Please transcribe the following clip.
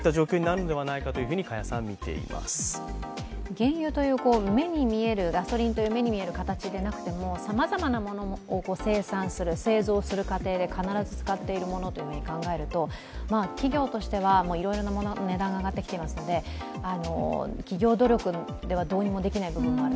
原油という目に見えるガソリンという形でなくてもさまざまなものを生産する、製造する過程で必ず使っているものと考えると企業としてはいろいろなものの値段が上がってきていますので企業努力ではどうにもできない部分がある。